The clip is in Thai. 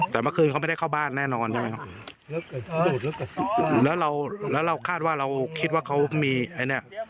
แต่เมื่อคืนเขาไม่ได้เข้าบ้านแน่นอนใช่ไหมครับแล้วเราแล้วเราคาดว่าเราคิดว่าเขามีไอ้เนี้ย